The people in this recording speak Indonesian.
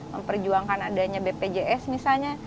memperjuangkan adanya bpjs misalnya